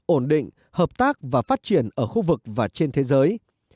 ổn định hợp tác và phát triển ở khu vực và trên thế giới